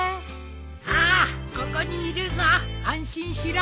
ああここにいるぞ安心しろ。